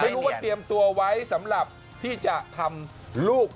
ไม่รู้ว่าเตรียมตัวไว้สำหรับที่จะทำลูก